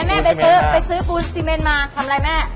แล้วแม่ไปซื้อปูนซิเมนมาทำอะไรแม่